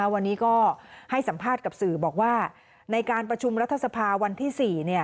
วันนี้ก็ให้สัมภาษณ์กับสื่อบอกว่าในการประชุมรัฐสภาวันที่๔